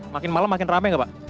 makin malam makin rame gak pak